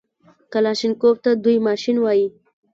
کلاشينکوف ته دوى ماشين وايي.